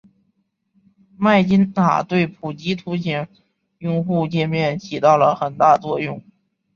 麦金塔对普及图形用户界面起到了很大作用。